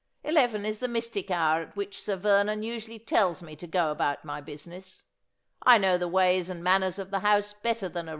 ' Eleven is the mystic hour at which Sir Vernon usually tells me to go, about my business. I know the ways and manners of the house better than a v.